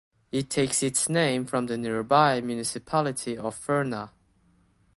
It takes its name from the nearby municipality of Furna.